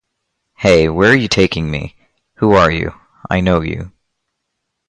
Hey, where are you taking me? Who are you, I know you.